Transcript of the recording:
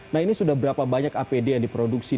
nah ini sudah berapa banyak apd yang diproduksi